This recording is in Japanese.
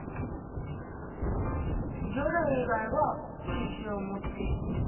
魚類以外は四肢をもっている。